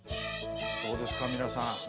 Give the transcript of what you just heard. どうですか皆さん。